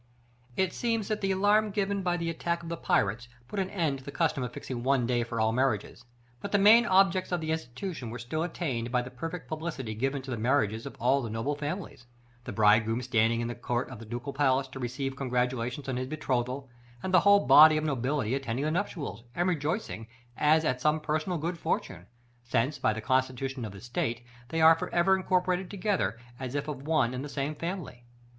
§ IX. It seems that the alarm given by the attack of the pirates put an end to the custom of fixing one day for all marriages: but the main objects of the institution were still attained by the perfect publicity given to the marriages of all the noble families; the bridegroom standing in the Court of the Ducal Palace to receive congratulations on his betrothal, and the whole body of the nobility attending the nuptials, and rejoicing, "as at some personal good fortune; since, by the constitution of the state, they are for ever incorporated together, as if of one and the same family."